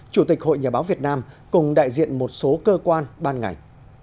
chủ tịch hội nhà báo việt nam cùng đại diện một số cơ quan ban ngành